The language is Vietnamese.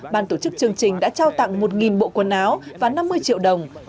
ban tổ chức chương trình đã trao tặng một bộ quần áo và năm mươi triệu đồng